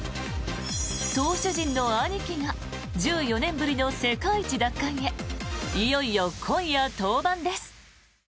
投手陣の兄貴が１４年ぶりの世界一奪還へいよいよ今夜、登板です。